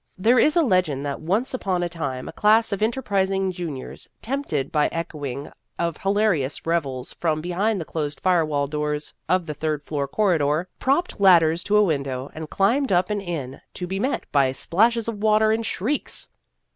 There is a legend that once upon a time a class of enterprising jun iors, tempted by echoing of hilarious rev els from behind the closed firewall doors of the third floor corridor, propped lad ders to a window, and climbed up and in, to be met by splashes of water and shrieks.